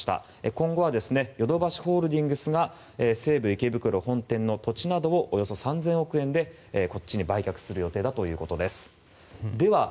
今後はヨドバシホールディングスが西武池袋本店の土地などをおよそ３０００億円で売却する予定ということです。